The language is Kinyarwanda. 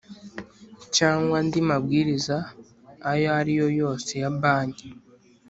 cyangwa andi mabwiriza ayo ari yo yose ya Banki